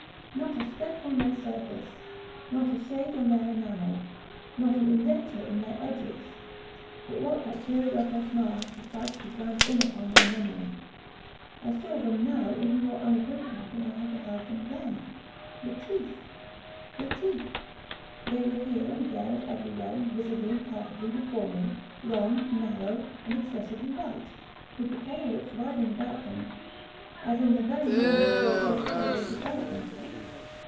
Not a speck on their surface—not a shade on their enamel—not an indenture in their edges—but what that period of her smile had sufficed to brand in upon my memory. I saw them now even more unequivocally than I beheld them then. The teeth!—the teeth!—they were here, and there, and everywhere, and visibly and palpably before me; long, narrow, and excessively white, with the pale lips writhing about them, as in the very moment of their first terrible development.